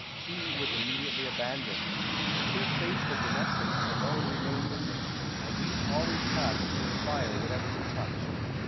He was immediately abandoned. Two faithful domestics alone remained with him, and these always passed through the fire whatever he touched.